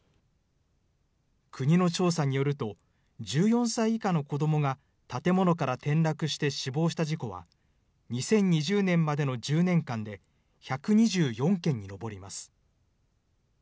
国の調査によると、１４歳以下の子どもが、建物から転落して死亡した事故は、２０２０年までの１０年間で、１２４件に上ります。